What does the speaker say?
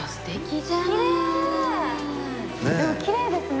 でもきれいですね。